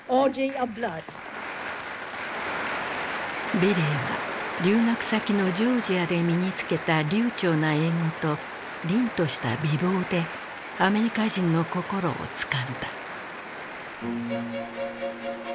美齢は留学先のジョージアで身につけた流ちょうな英語と凛とした美貌でアメリカ人の心をつかんだ。